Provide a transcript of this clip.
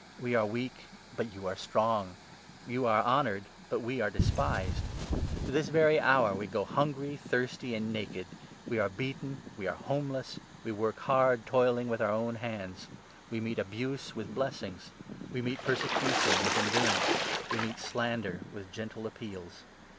We are weak, but you are strong. You are honoured, but we are despised. To this very hour we go hungry, thirsty, and n naked ; we are beaten ; we are homeless ; we work hard, 12 toiling with our own hands. We meet abuse with blessings, we meet persecution with endurance, we meet slander with 13 gentle appeals.